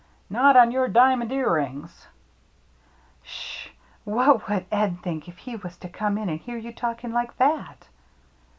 Not on your diamond ear rings !"" Sh ! What would Ed think if he was to come in and hear you talking like that